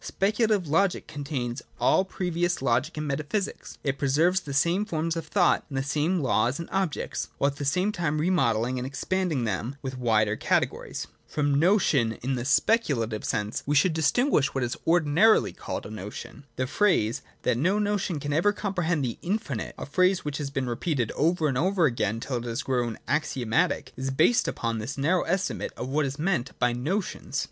Speculative Logic con tains all previous Logic and Metaphysics : it preserves the same forms of thought, the same laws and objects, — while at the same time remodelling and expanding them with wider categories. From notion in the speculative sense we should dis tinguish what is ordinarily called a notion. The phrase, that no notion can ever comprehend the Infinite, a phrase which has been repeated over and over again till it has grown axiomatic, is based upon this narrow estimate of what is meant by notions.